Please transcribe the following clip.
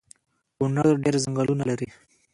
کونړ ډیر ځنګلونه لري